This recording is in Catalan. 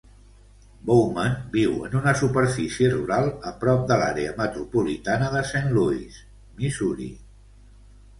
Bowman viu en una superfície rural a prop de l'àrea metropolitana de Saint Louis, Missouri.